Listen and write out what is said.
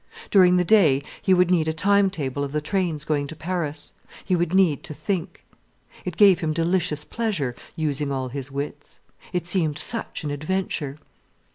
During the day he would need a time table of the trains going to Paris—he would need to think. It gave him delicious pleasure, using all his wits. It seemed such an adventure.